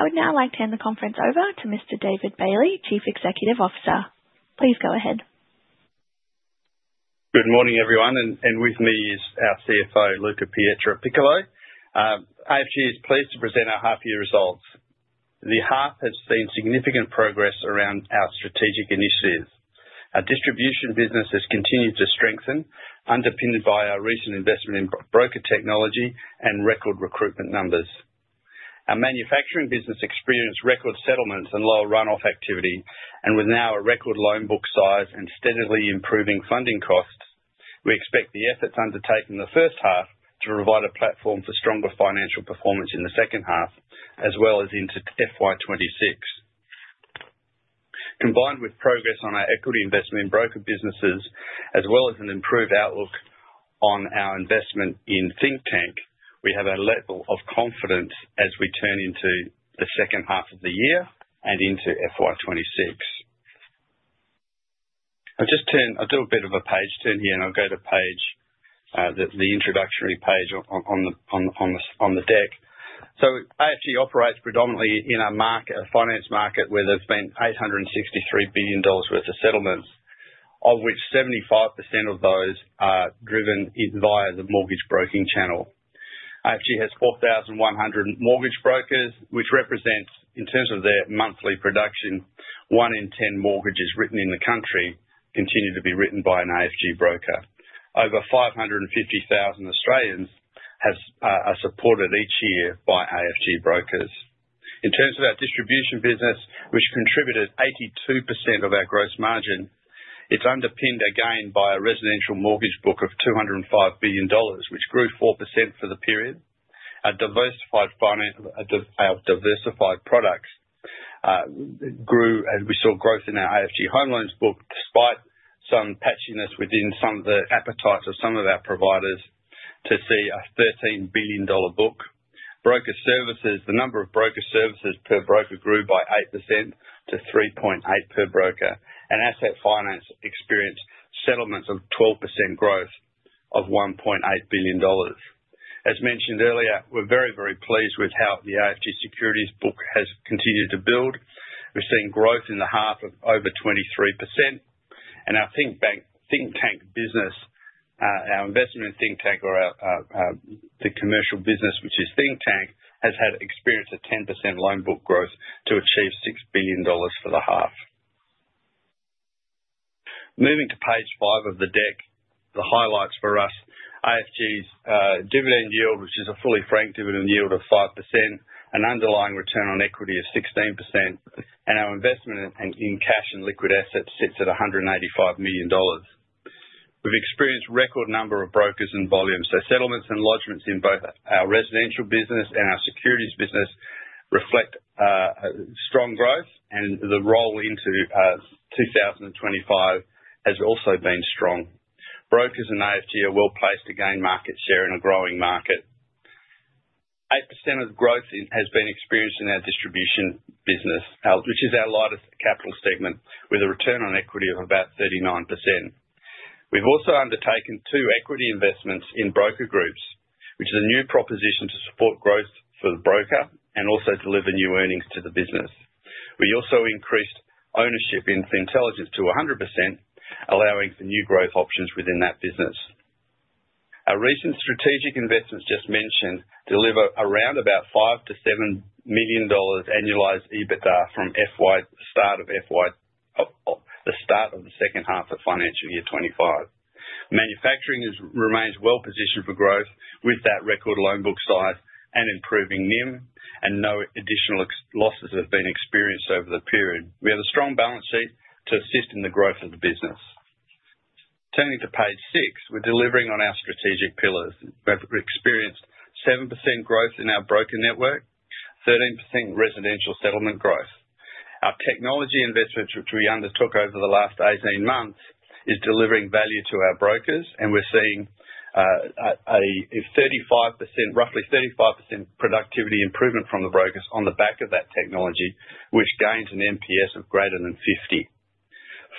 I would now like to hand the conference over to Mr. David Bailey, Chief Executive Officer. Please go ahead. Good morning, everyone, and with me is our CFO, Luca Pietropiccolo. I have great pleasure to present our half-year results. The half has seen significant progress around our strategic initiatives. Our distribution business has continued to strengthen, underpinned by our recent investment in broker technology and record recruitment numbers. Our manufacturing business experienced record settlements and low runoff activity, and with now a record loan book size and steadily improving funding costs, we expect the efforts undertaken in the first half to provide a platform for stronger financial performance in the second half, as well as into FY26. Combined with progress on our equity investment in broker businesses, as well as an improved outlook on our investment in Thinktank, we have a level of confidence as we turn into the second half of the year and into FY26. I'll just turn a little bit of a page turn here, and I'll go to the introductory page on the deck. I actually operate predominantly in a market, a finance market, where there's been 863 billion dollars worth of settlements, of which 75% of those are driven via the mortgage broking channel. I actually have 4,100 mortgage brokers, which represents, in terms of their monthly production, one in ten mortgages written in the country continue to be written by an AFG broker. Over 550,000 Australians are supported each year by AFG brokers. In terms of our distribution business, which contributed 82% of our gross margin, it's underpinned again by a residential mortgage book of 205 billion dollars, which grew 4% for the period. Our diversified products grew, and we saw growth in our AFG Home Loans Book despite some patchiness within some of the appetites of some of our providers to see a 13 billion dollar book. Broker services, the number of broker services per broker grew by 8% to 3.8 per broker, and asset finance experienced settlements of 12% growth of 1.8 billion dollars. As mentioned earlier, we're very, very pleased with how the AFG Securities Book has continued to build. We've seen growth in the half of over 23%, and our Thinktank business, our investment in Thinktank or the commercial business, which is Thinktank, has had experience of 10% loan book growth to achieve 6 billion dollars for the half. Moving to page five of the deck, the highlights for us, AFG's dividend yield, which is a fully franked dividend yield of 5%, an underlying return on equity of 16%, and our investment in cash and liquid assets sits at 185 million dollars. We have experienced a record number of brokers and volumes, so settlements and lodgements in both our residential business and our securities business reflect strong growth, and the roll into 2025 has also been strong. Brokers and AFG are well placed to gain market share in a growing market. 8% of growth has been experienced in our distribution business, which is our largest capital segment, with a return on equity of about 39%. We have also undertaken two equity investments in broker groups, which is a new proposition to support growth for the broker and also deliver new earnings to the business. We also increased ownership in intelligence to 100%, allowing for new growth options within that business. Our recent strategic investments just mentioned deliver around about 5 million-7 million dollars annualized EBITDA from the start of the second half of financial year 2025. Manufacturing remains well positioned for growth with that record loan book size and improving NIM, and no additional losses have been experienced over the period. We have a strong balance sheet to assist in the growth of the business. Turning to page six, we're delivering on our strategic pillars. We've experienced 7% growth in our broker network, 13% residential settlement growth. Our technology investments, which we undertook over the last 18 months, are delivering value to our brokers, and we're seeing roughly 35% productivity improvement from the brokers on the back of that technology, which gains an NPS of greater than 50.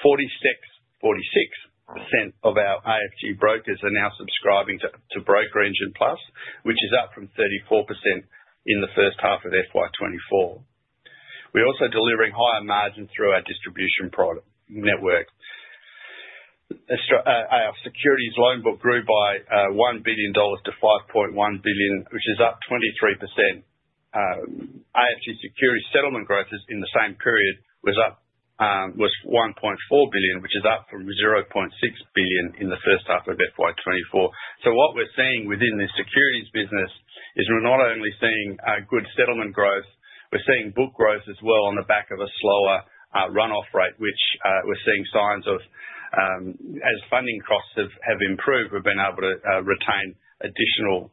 46% of our AFG brokers are now subscribing to BrokerEngine Plus, which is up from 34% in the first half of FY24. We're also delivering higher margins through our distribution network. Our securities loan book grew by 1 billion dollars to 5.1 billion, which is up 23%. AFG Securities settlement growth in the same period was 1.4 billion, which is up from 0.6 billion in the first half of FY24. What we're seeing within the securities business is we're not only seeing good settlement growth, we're seeing book growth as well on the back of a slower runoff rate, which we're seeing signs of as funding costs have improved, we've been able to retain additional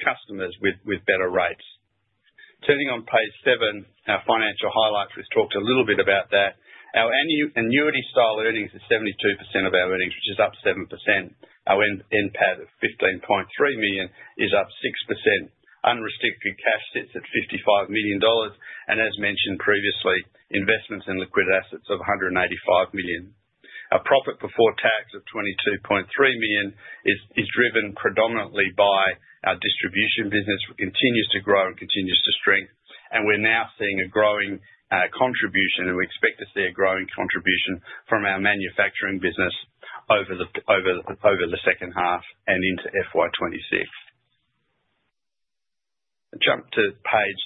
customers with better rates. Turning on page seven, our financial highlights. We've talked a little bit about that. Our annuity style earnings are 72% of our earnings, which is up 7%. Our end pad of 15.3 million is up 6%. Unrestricted cash sits at 55 million dollars, and as mentioned previously, investments in liquid assets of 185 million. Our profit before tax of 22.3 million is driven predominantly by our distribution business, which continues to grow and continues to strengthen, and we're now seeing a growing contribution, and we expect to see a growing contribution from our manufacturing business over the second half and into FY26. Jump to page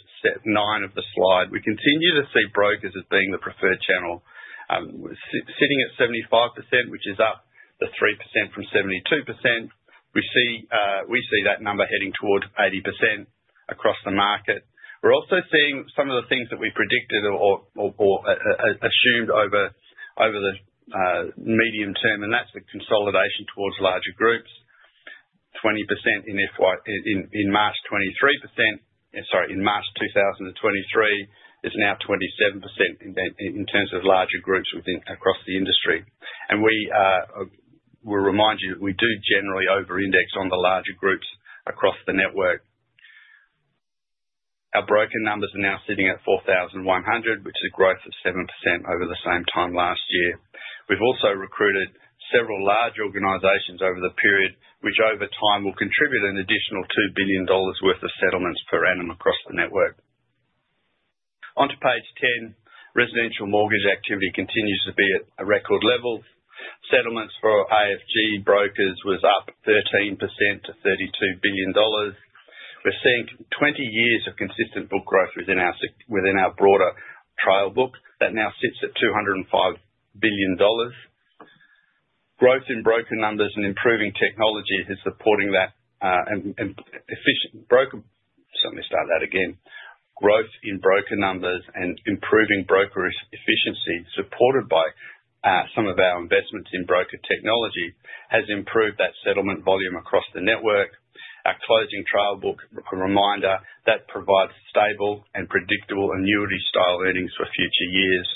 nine of the slide. We continue to see brokers as being the preferred channel. Sitting at 75%, which is up 3% from 72%, we see that number heading toward 80% across the market. We're also seeing some of the things that we predicted or assumed over the medium term, and that's the consolidation towards larger groups. 20% in March 2023, sorry, in March 2023, is now 27% in terms of larger groups across the industry. We will remind you that we do generally over-index on the larger groups across the network. Our broker numbers are now sitting at 4,100, which is a growth of 7% over the same time last year. We've also recruited several large organizations over the period, which over time will contribute an additional 2 billion dollars worth of settlements per annum across the network. Onto page ten, residential mortgage activity continues to be at a record level. Settlements for AFG brokers were up 13% to 32 billion dollars. We're seeing 20 years of consistent book growth within our broader trail book. That now sits at 205 billion dollars. Growth in broker numbers and improving technology is supporting that efficient broker—let me start that again. Growth in broker numbers and improving broker efficiency supported by some of our investments in broker technology has improved that settlement volume across the network. Our closing trail book, a reminder, that provides stable and predictable annuity style earnings for future years.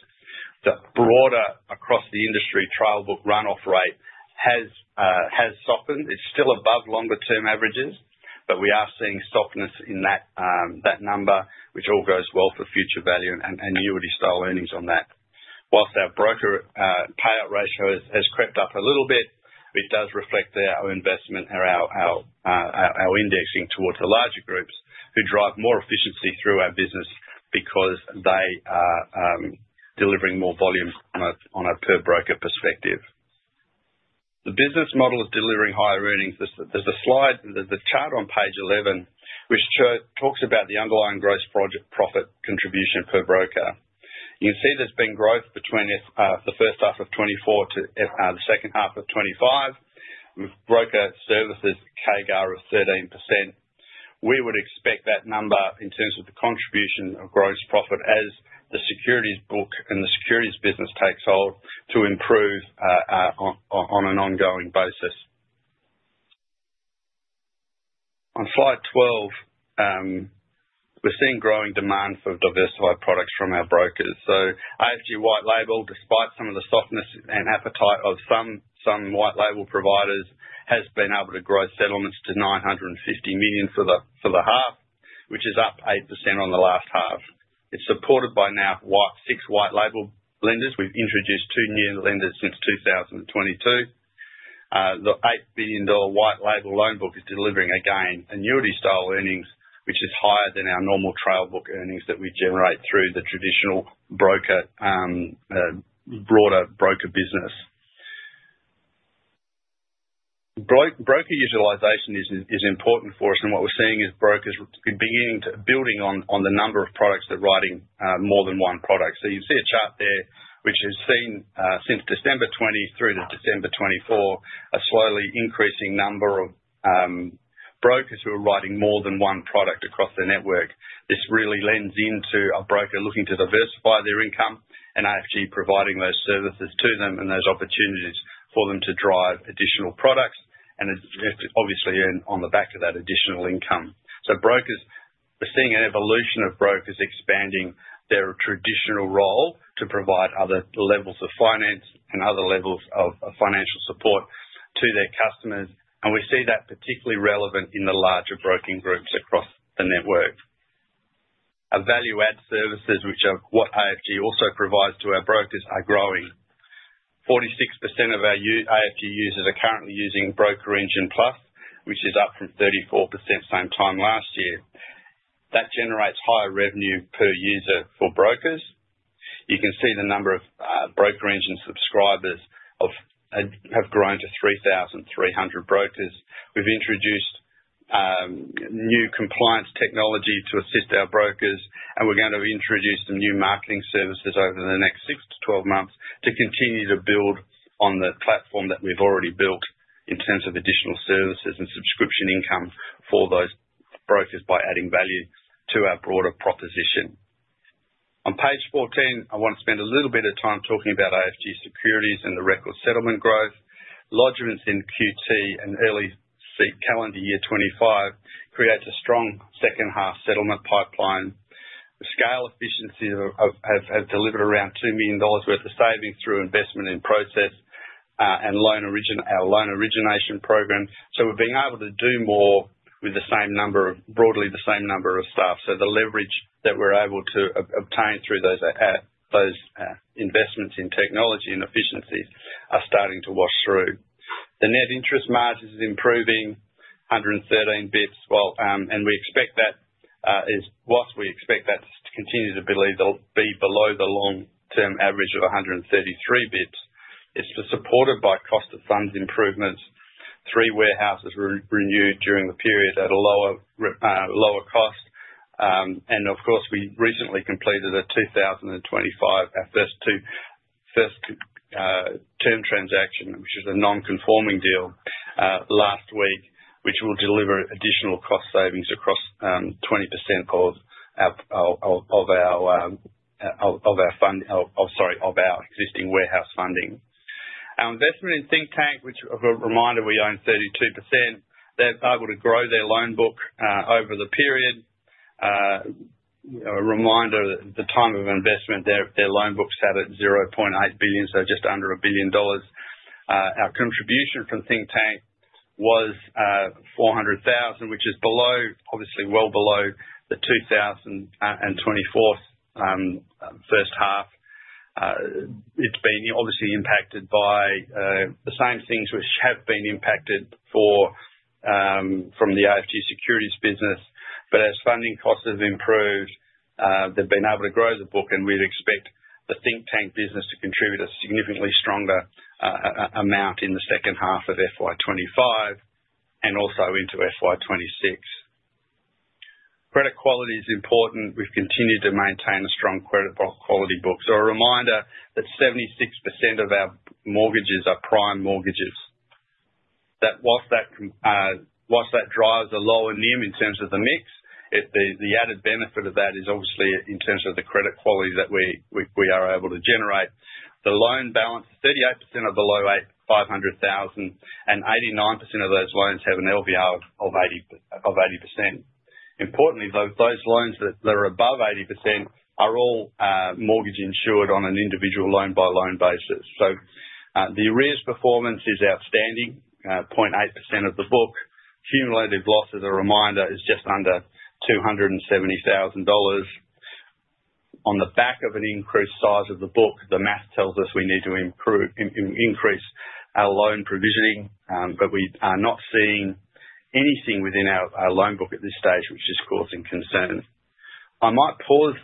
The broader across the industry trail book runoff rate has softened. It's still above longer-term averages, but we are seeing softness in that number, which all goes well for future value and annuity style earnings on that. Whilst our broker payout ratio has crept up a little bit, it does reflect our investment, our indexing towards the larger groups who drive more efficiency through our business because they are delivering more volume on a per broker perspective. The business model is delivering higher earnings. There's a chart on page 11, which talks about the underlying gross profit contribution per broker. You can see there's been growth between the first half of 2024 to the second half of 2025. Broker services CAGR of 13%. We would expect that number in terms of the contribution of gross profit as the securities book and the securities business takes hold to improve on an ongoing basis. On slide 12, we're seeing growing demand for diversified products from our brokers. AFG white label, despite some of the softness and appetite of some white label providers, has been able to grow settlements to 950 million for the half, which is up 8% on the last half. It's supported by now six white label lenders. We've introduced two new lenders since 2022. The 8 billion dollar white label loan book is delivering again annuity style earnings, which is higher than our normal trail book earnings that we generate through the traditional broker broader broker business. Broker utilization is important for us, and what we're seeing is brokers beginning to build on the number of products that are writing more than one product. You can see a chart there, which has seen since December 2020 through to December 2024, a slowly increasing number of brokers who are writing more than one product across their network. This really lends into a broker looking to diversify their income and AFG providing those services to them and those opportunities for them to drive additional products and obviously on the back of that additional income. We are seeing an evolution of brokers expanding their traditional role to provide other levels of finance and other levels of financial support to their customers, and we see that particularly relevant in the larger broking groups across the network. Our value-added services, which are what AFG also provides to our brokers, are growing. 46% of our AFG users are currently using BrokerEngine Plus, which is up from 34% same time last year. That generates higher revenue per user for brokers. You can see the number of BrokerEngine subscribers have grown to 3,300 brokers. We've introduced new compliance technology to assist our brokers, and we're going to introduce some new marketing services over the next 6-12 months to continue to build on the platform that we've already built in terms of additional services and subscription income for those brokers by adding value to our broader proposition. On page 14, I want to spend a little bit of time talking about AFG Securities and the record settlement growth. Lodgements in Q2 and early calendar year 2025 create a strong second half settlement pipeline. The scale efficiencies have delivered around 2 million dollars worth of savings through investment in process and our loan origination program. We have been able to do more with broadly the same number of staff. The leverage that we are able to obtain through those investments in technology and efficiencies are starting to wash through. The net interest margin is improving, 113 basis points, and we expect that to continue, but we believe it will be below the long-term average of 133 basis points. It is supported by cost of funds improvements. Three warehouses were renewed during the period at a lower cost. We recently completed a 2025, our first term transaction, which is a non-conforming deal last week, which will deliver additional cost savings across 20% of our existing warehouse funding. Our investment in Thinktank, which I've got a reminder we own 32%, they're able to grow their loan book over the period. A reminder, at the time of investment, their loan book sat at 0.8 billion, so just under a billion dollars. Our contribution from Thinktank was 400,000, which is obviously well below the 2024 first half. It's been obviously impacted by the same things which have been impacted from the AFG Securities business, but as funding costs have improved, they've been able to grow the book, and we'd expect the Thinktank business to contribute a significantly stronger amount in the second half of FY25 and also into FY26. Credit quality is important. We've continued to maintain a strong credit quality book. So a reminder that 76% of our mortgages are prime mortgages. Whilst that drives a lower NIM in terms of the mix, the added benefit of that is obviously in terms of the credit quality that we are able to generate. The loan balance, 38% are below 500,000, and 89% of those loans have an LVR of 80%. Importantly, those loans that are above 80% are all mortgage insured on an individual loan-by-loan basis. The arrears performance is outstanding, 0.8% of the book. Cumulative losses, a reminder, is just under 270,000 dollars. On the back of an increased size of the book, the math tells us we need to increase our loan provisioning, but we are not seeing anything within our loan book at this stage, which is causing concern. I might pause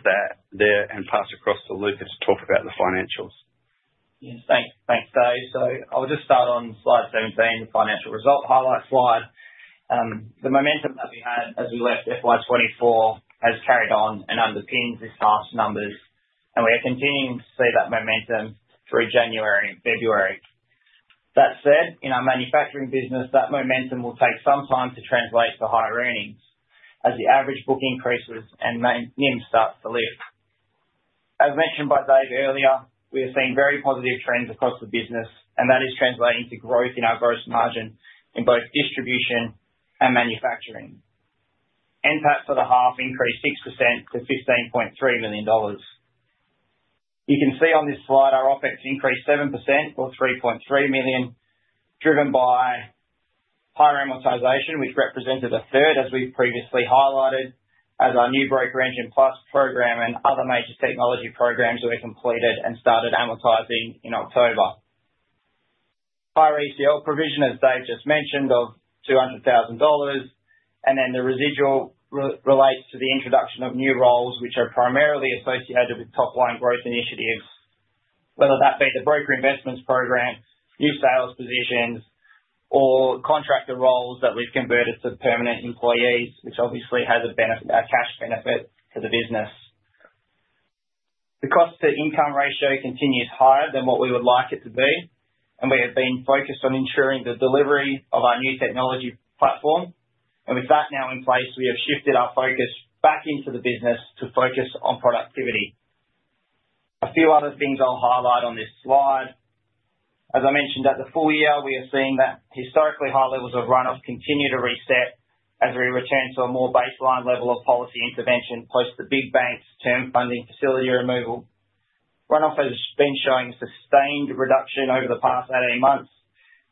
there and pass across to Luca to talk about the financials. Yes, thanks, Dave. I'll just start on slide 17, the financial result highlight slide. The momentum that we had as we left FY24 has carried on and underpins this past numbers, and we are continuing to see that momentum through January and February. That said, in our manufacturing business, that momentum will take some time to translate to higher earnings as the average book increases and NIM starts to lift. As mentioned by Dave earlier, we have seen very positive trends across the business, and that is translating to growth in our gross margin in both distribution and manufacturing. End cap for the half increased 6% to 15.3 million dollars. You can see on this slide our OpEx increased 7% or 3.3 million, driven by higher amortization, which represented a third, as we've previously highlighted, as our new BrokerEngine Plus program and other major technology programs that we completed and started amortizing in October. Higher ECL provision, as Dave just mentioned, of 200,000 dollars, and then the residual relates to the introduction of new roles, which are primarily associated with top-line growth initiatives, whether that be the broker investments program, new sales positions, or contractor roles that we've converted to permanent employees, which obviously has a cash benefit to the business. The cost-to-income ratio continues higher than what we would like it to be, and we have been focused on ensuring the delivery of our new technology platform. With that now in place, we have shifted our focus back into the business to focus on productivity. A few other things I'll highlight on this slide. As I mentioned, at the full year, we are seeing that historically high levels of runoff continue to reset as we return to a more baseline level of policy intervention post the big banks' term funding facility removal. Runoff has been showing sustained reduction over the past [18] months,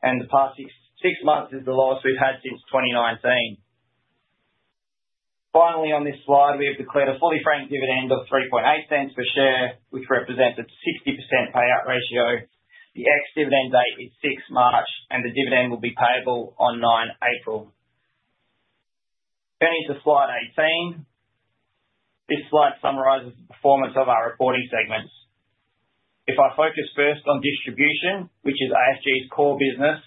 and the past six months is the lowest we've had since 2019. Finally, on this slide, we have declared a fully franked dividend of 0.038 per share, which represents a 60% payout ratio. The ex-dividend date is 6 March, and the dividend will be payable on 9 April. Turning to slide 18, this slide summarizes the performance of our reporting segments. If I focus first on distribution, which is AFG's core business,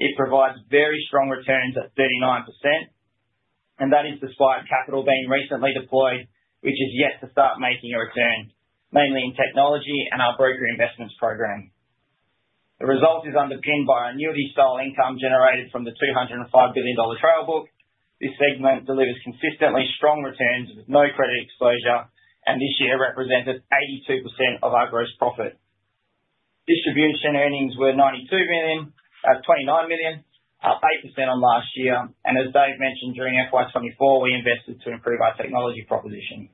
it provides very strong returns at 39%, and that is despite capital being recently deployed, which is yet to start making a return, mainly in technology and our broker investments program. The result is underpinned by annuity style income generated from the 205 billion dollar trail book. This segment delivers consistently strong returns with no credit exposure, and this year represented 82% of our gross profit. Distribution earnings were [AUD 92 million, up ] 29 million, up 8% on last year, and as Dave mentioned, during FY2024, we invested to improve our technology proposition.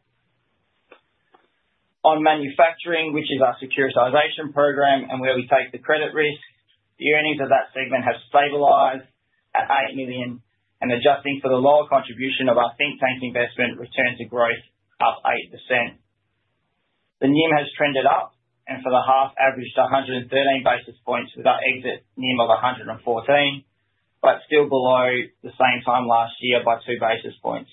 On manufacturing, which is our securitization program and where we take the credit risk, the earnings of that segment have stabilized at 8 million, and adjusting for the lower contribution of our Thinktank investment, returns to growth up 8%. The NIM has trended up, and for the half, averaged 113 basis points with our exit NIM of 114, but still below the same time last year by two basis points.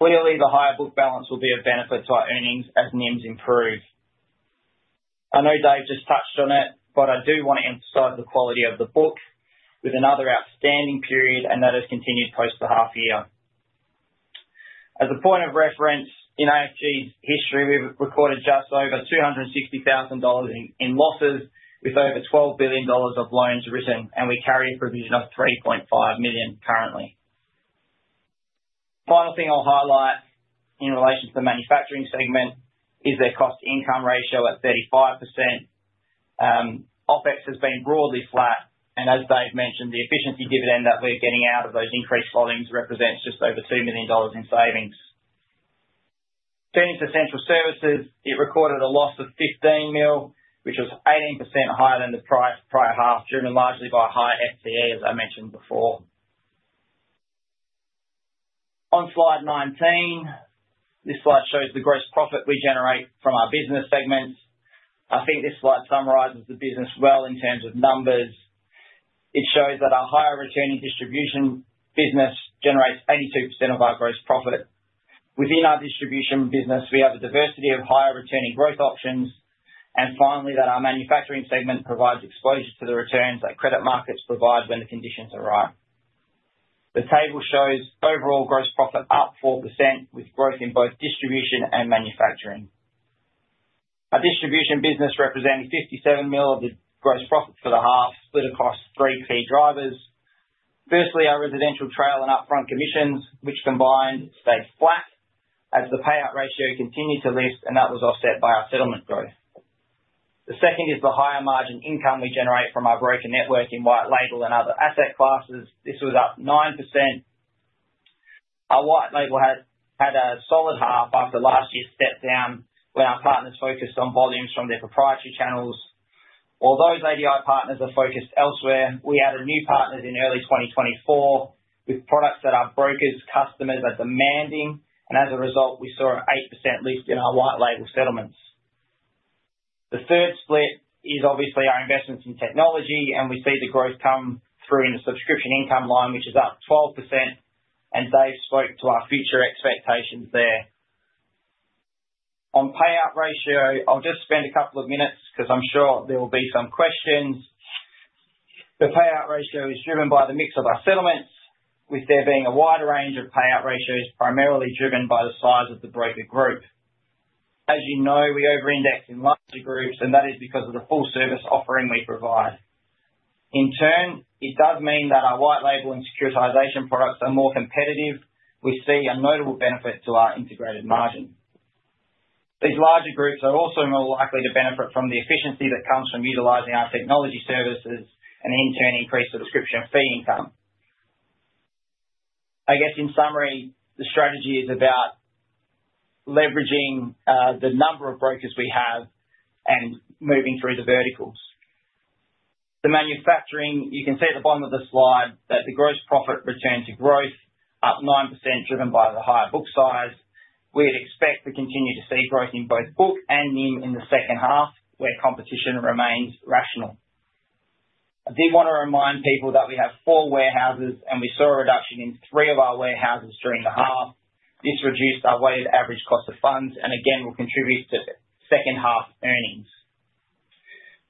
Clearly, the higher book balance will be of benefit to our earnings as NIMs improve. I know Dave just touched on it, but I do want to emphasize the quality of the book with another outstanding period, and that has continued post the half year. As a point of reference, in AFG's history, we've recorded just over 260,000 dollars in losses with over 12 billion dollars of loans written, and we carry a provision of 3.5 million currently. Final thing I'll highlight in relation to the manufacturing segment is their cost-to-income ratio at 35%. OpEx has been broadly flat, and as Dave mentioned, the efficiency dividend that we're getting out of those increased volumes represents just over 2 million dollars in savings. Turning to central services, it recorded a loss of 15 million, which was 18% higher than the prior half, driven largely by high FTE, as I mentioned before. On slide 19, this slide shows the gross profit we generate from our business segments. I think this slide summarizes the business well in terms of numbers. It shows that our higher returning distribution business generates 82% of our gross profit. Within our distribution business, we have a diversity of higher returning growth options, and finally, that our manufacturing segment provides exposure to the returns that credit markets provide when the conditions are right. The table shows overall gross profit up 4% with growth in both distribution and manufacturing. Our distribution business represents 57 million of the gross profit for the half, split across three key drivers. Firstly, our residential trail and upfront commissions, which combined stayed flat as the payout ratio continued to lift, and that was offset by our settlement growth. The second is the higher margin income we generate from our broker network in white label and other asset classes. This was up 9%. Our white label had a solid half after last year's step down when our partners focused on volumes from their proprietary channels. While those ADI partners are focused elsewhere, we added new partners in early 2024 with products that our brokers' customers are demanding, and as a result, we saw an 8% lift in our white label settlements. The third split is obviously our investments in technology, and we see the growth come through in the subscription income line, which is up 12%, and Dave spoke to our future expectations there. On payout ratio, I'll just spend a couple of minutes because I'm sure there will be some questions. The payout ratio is driven by the mix of our settlements, with there being a wider range of payout ratios primarily driven by the size of the broker group. As you know, we over-index in larger groups, and that is because of the full-service offering we provide. In turn, it does mean that our white label and securitization products are more competitive. We see a notable benefit to our integrated margin. These larger groups are also more likely to benefit from the efficiency that comes from utilizing our technology services and, in turn, increase the subscription fee income. I guess, in summary, the strategy is about leveraging the number of brokers we have and moving through the verticals. The manufacturing, you can see at the bottom of the slide that the gross profit returns to growth, up 9%, driven by the higher book size. We'd expect to continue to see growth in both book and NIM in the second half, where competition remains rational. I did want to remind people that we have four warehouses, and we saw a reduction in three of our warehouses during the half. This reduced our weighted average cost of funds and, again, will contribute to second-half earnings.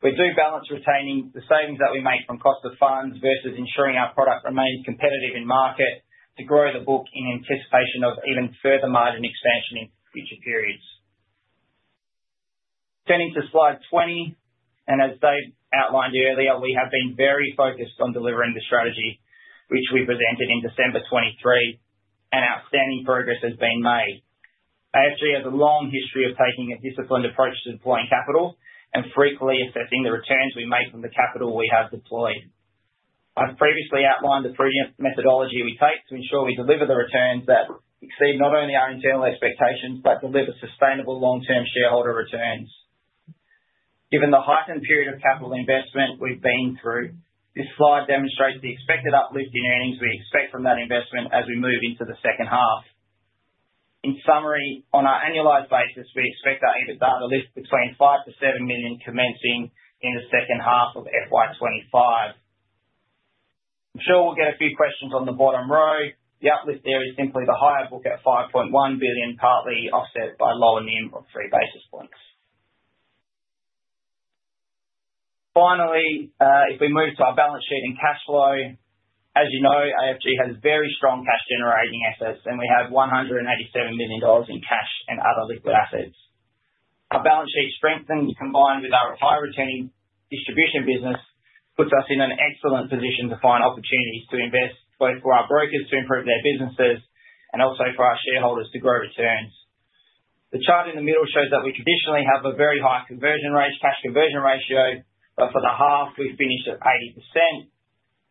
We do balance retaining the savings that we make from cost of funds versus ensuring our product remains competitive in market to grow the book in anticipation of even further margin expansion in future periods. Turning to slide 20, and as Dave outlined earlier, we have been very focused on delivering the strategy, which we presented in December 2023, and outstanding progress has been made. AFG has a long history of taking a disciplined approach to deploying capital and frequently assessing the returns we make from the capital we have deployed. I've previously outlined the prudent methodology we take to ensure we deliver the returns that exceed not only our internal expectations but deliver sustainable long-term shareholder returns. Given the heightened period of capital investment we've been through, this slide demonstrates the expected uplift in earnings we expect from that investment as we move into the second half. In summary, on our annualized basis, we expect our EBITDA to lift between 5 million-7 million commencing in the second half of FY25. I'm sure we'll get a few questions on the bottom row. The uplift there is simply the higher book at 5.1 billion, partly offset by lower NIM of three basis points. Finally, if we move to our balance sheet and cash flow, as you know, AFG has very strong cash-generating assets, and we have 187 million dollars in cash and other liquid assets. Our balance sheet strengthened, combined with our high-returning distribution business, puts us in an excellent position to find opportunities to invest both for our brokers to improve their businesses and also for our shareholders to grow returns. The chart in the middle shows that we traditionally have a very high cash conversion ratio, but for the half, we finished at 80%.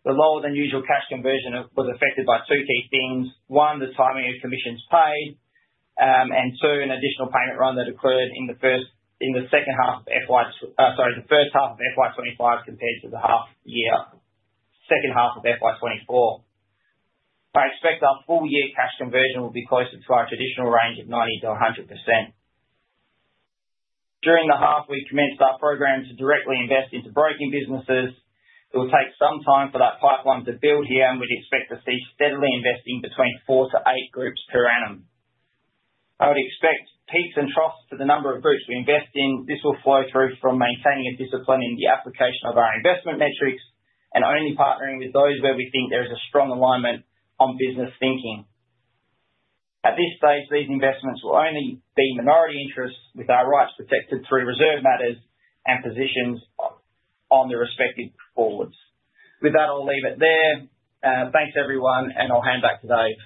The lower-than-usual cash conversion was affected by two key things. One, the timing of commissions paid, and two, an additional payment run that occurred in the first half of FY25 compared to the half-year second half of FY24. I expect our full-year cash conversion will be closer to our traditional range of 90%-100%. During the half, we commenced our program to directly invest into broking businesses. It will take some time for that pipeline to build here, and we'd expect to see steadily investing between four to eight groups per annum. I would expect peaks and troughs for the number of groups we invest in. This will flow through from maintaining a discipline in the application of our investment metrics and only partnering with those where we think there is a strong alignment on business thinking. At this stage, these investments will only be minority interests with our rights protected through reserve matters and positions on the respective boards. With that, I'll leave it there. Thanks, everyone, and I'll hand back to Dave.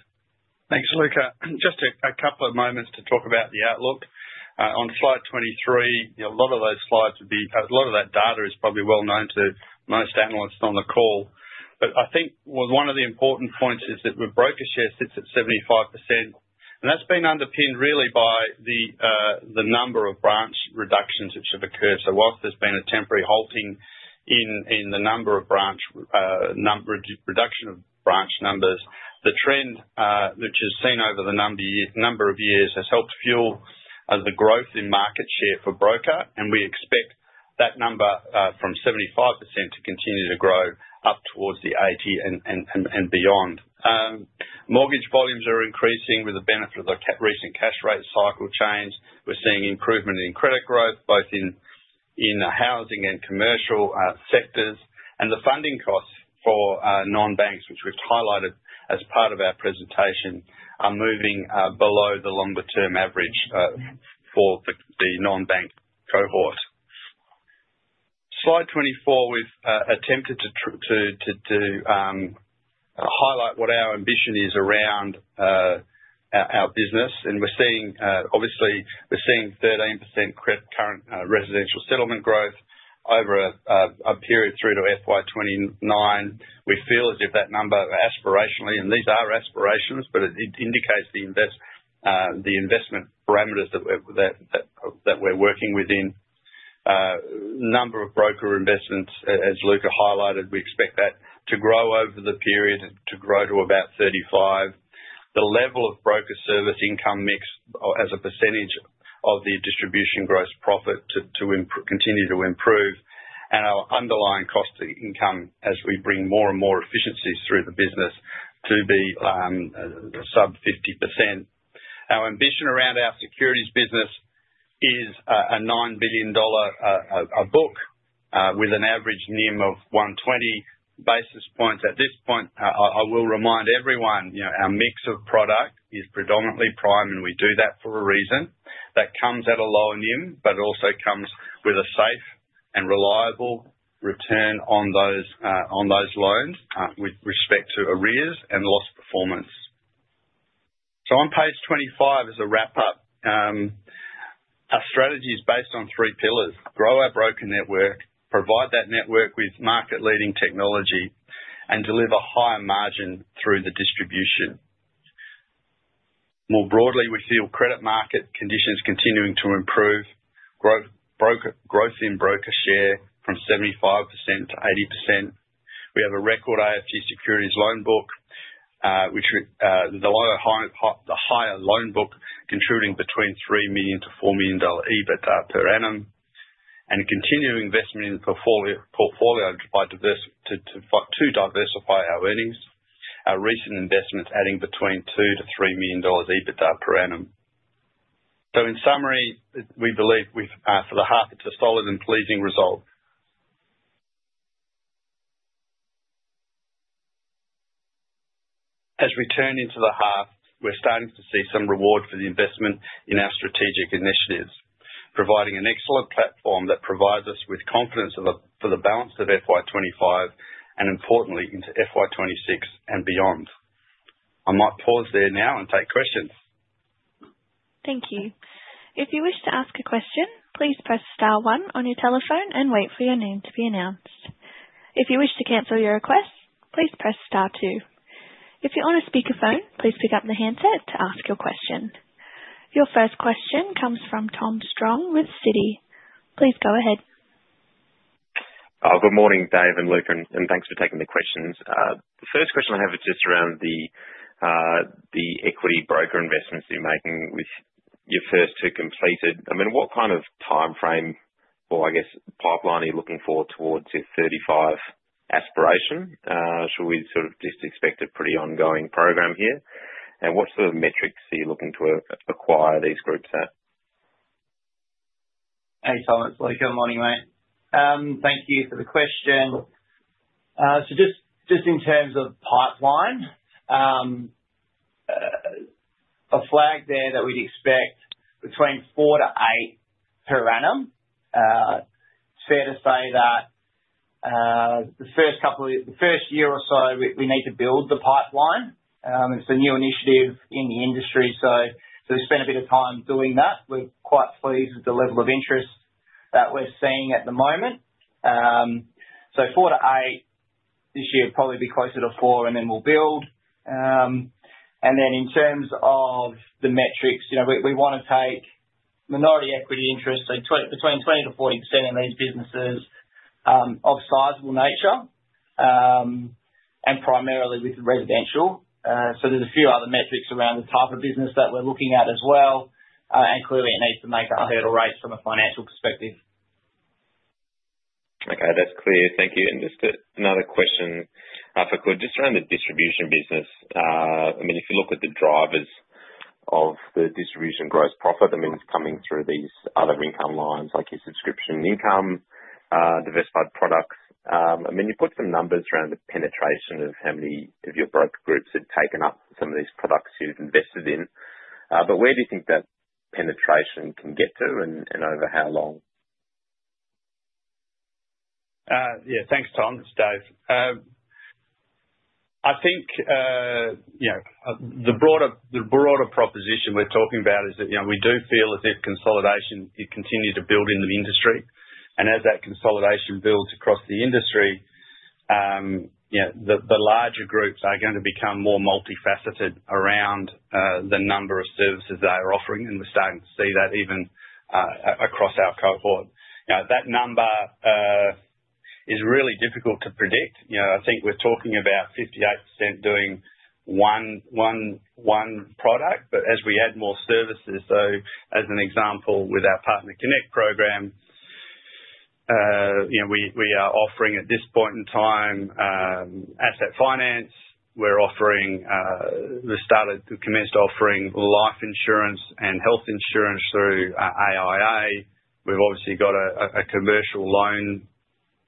Thanks, Luca. Just a couple of moments to talk about the outlook. On slide 23, a lot of those slides would be a lot of that data is probably well known to most analysts on the call. I think one of the important points is that the broker share sits at 75%, and that's been underpinned really by the number of branch reductions which have occurred. Whilst there's been a temporary halting in the reduction of branch numbers, the trend which is seen over the number of years has helped fuel the growth in market share for broker, and we expect that number from 75% to continue to grow up towards the 80% and beyond. Mortgage volumes are increasing with the benefit of the recent cash rate cycle change. We're seeing improvement in credit growth both in the housing and commercial sectors, and the funding costs for non-banks, which we've highlighted as part of our presentation, are moving below the longer-term average for the non-bank cohort. Slide 24, we've attempted to highlight what our ambition is around our business, and we're seeing obviously we're seeing 13% current residential settlement growth over a period through to FY2029. We feel as if that number aspirationally, and these are aspirations, but it indicates the investment parameters that we're working within. Number of broker investments, as Luca highlighted, we expect that to grow over the period to grow to about 35. The level of broker service income mix as a percentage of the distribution gross profit to continue to improve, and our underlying cost of income as we bring more and more efficiencies through the business to be sub 50%. Our ambition around our securities business is a 9 billion dollar book with an average NIM of 120 basis points. At this point, I will remind everyone, our mix of product is predominantly prime, and we do that for a reason. That comes at a lower NIM, but it also comes with a safe and reliable return on those loans with respect to arrears and lost performance. On page 25, as a wrap-up, our strategy is based on three pillars: grow our broker network, provide that network with market-leading technology, and deliver higher margin through the distribution. More broadly, we feel credit market conditions continuing to improve, growth in broker share from 75% to 80%. We have a record AFG Securities loan book, with the higher loan book contributing between 3 million-4 million dollar EBITDA per annum, and continuing investment in the portfolio to diversify our earnings. Our recent investments adding between 2 million-3 million dollars EBITDA per annum. In summary, we believe for the half, it's a solid and pleasing result. As we turn into the half, we're starting to see some reward for the investment in our strategic initiatives, providing an excellent platform that provides us with confidence for the balance of FY25 and, importantly, into FY26 and beyond. I might pause there now and take questions. Thank you. If you wish to ask a question, please press star one on your telephone and wait for your name to be announced. If you wish to cancel your request, please press star two. If you're on a speakerphone, please pick up the handset to ask your question. Your first question comes from Tom Strong with Citi. Please go ahead. Good morning, Dave and Luca, and thanks for taking the questions. The first question I have is just around the equity broker investments you're making with your first two completed. I mean, what kind of timeframe or, I guess, pipeline are you looking for towards your 2035 aspiration? Should we sort of just expect a pretty ongoing program here? And what sort of metrics are you looking to acquire these groups at? Hey, Tom, this is Luca. Good morning, mate. Thank you for the question. Just in terms of pipeline, a flag there that we'd expect between 4-8 per annum. It's fair to say that the first year or so, we need to build the pipeline. It's a new initiative in the industry, so we spent a bit of time doing that. We're quite pleased with the level of interest that we're seeing at the moment. 4-8 this year would probably be closer to four, and then we'll build. In terms of the metrics, we want to take minority equity interest, so between 20-40% in these businesses of sizable nature and primarily with residential. There are a few other metrics around the type of business that we're looking at as well, and clearly it needs to make up hurdle rates from a financial perspective. Okay, that's clear. Thank you. Just another question, if I could, just around the distribution business. I mean, if you look at the drivers of the distribution gross profit, I mean, it's coming through these other income lines like your subscription income, diversified products. I mean, you put some numbers around the penetration of how many of your broker groups have taken up some of these products you've invested in. Where do you think that penetration can get to, and over how long? Yeah, thanks, Tom, this is Dave. I think the broader proposition we're talking about is that we do feel as if consolidation continues to build in the industry. As that consolidation builds across the industry, the larger groups are going to become more multifaceted around the number of services they are offering, and we're starting to see that even across our cohort. That number is really difficult to predict. I think we're talking about 58% doing one product, but as we add more services, as an example, with our Partner Connect program, we are offering at this point in time asset finance. We're offering the commenced offering life insurance and health insurance through AIA. We've obviously got a commercial loan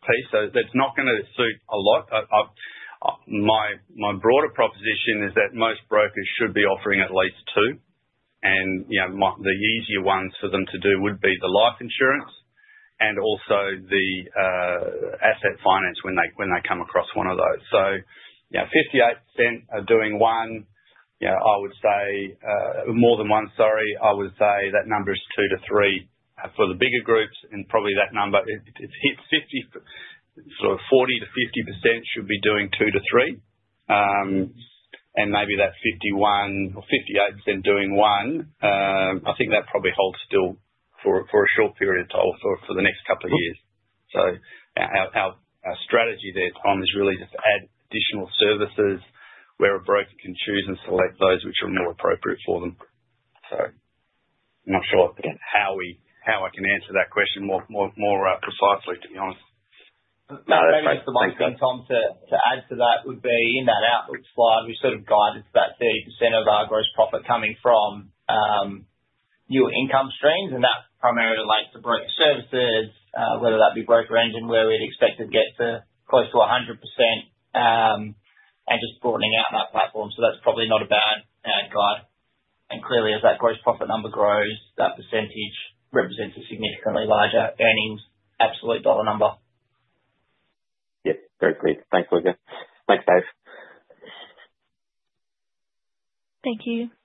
piece, so that's not going to suit a lot. My broader proposition is that most brokers should be offering at least two, and the easier ones for them to do would be the life insurance and also the asset finance when they come across one of those. So 58% are doing one. I would say more than one, sorry. I would say that number is two to three for the bigger groups, and probably that number, if it hits 40-50%, should be doing two to three. Maybe that 51% or 58% doing one, I think that probably holds still for a short period of time for the next couple of years. Our strategy there, Tom, is really just to add additional services where a broker can choose and select those which are more appropriate for them. I'm not sure how I can answer that question more precisely, to be honest. No, that's fantastic. Maybe just a last thing, Tom, to add to that would be in that outlook slide, we sort of guided to that 30% of our gross profit coming from new income streams, and that primarily relates to broker services, whether that be BrokerEngine where we'd expect to get to close to 100% and just broadening out that platform. That's probably not a bad guide. Clearly, as that gross profit number grows, that percentage represents a significantly larger earnings absolute dollar number. Yep, very clear. Thanks, Luca. Thanks, Dave. Thank you.